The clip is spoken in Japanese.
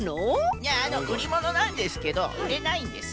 いやあのうりものなんですけどうれないんです。